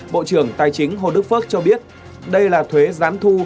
bộ trưởng tài chính hồ đức phước cho biết đây là thuế gián thu